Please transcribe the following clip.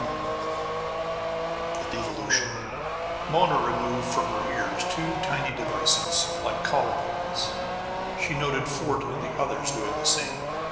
XVII THE DEVOLUTION Mona removed from her ears two tiny devices like collar buttons. She noted Fort and the others doing the same.